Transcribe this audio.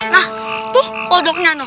nah tuh kodoknya tuh